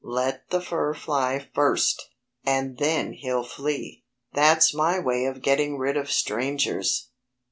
Let the fur fly first! And then he'll flee. "That's my way of getting rid of strangers!"